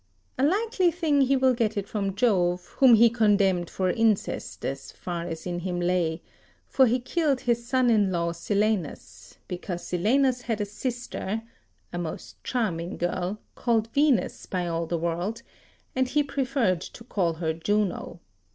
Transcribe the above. A likely thing he will get it from Jove, whom he condemned for incest as far as in him lay: for he killed his son in law Silanus, because Silanus had a sister, a most charming girl, called Venus by all the world, and he preferred to call her Juno.